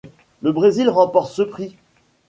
Le Brésil remporte ce prix.